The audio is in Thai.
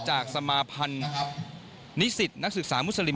สมาพันธ์นิสิตนักศึกษามุสลิม